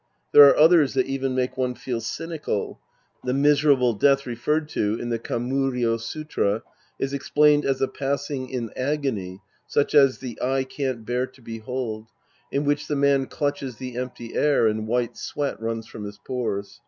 There are others that even make one feel cynical The " miserable death " referred to in the Kammuryo Sutra is explained as a passing in agony such as the eye can't bear to behold, in which the man clutches the empty air and white sweat runs from his pores.